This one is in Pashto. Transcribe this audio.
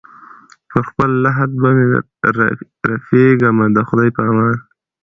پر خپل لحد به مي رپېږمه د خدای په امان